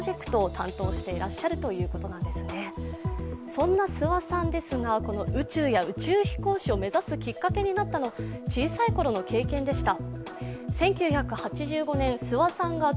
そんな諏訪さんですが宇宙や宇宙飛行士を目指すきっかけになったのは小さいころの経験でした。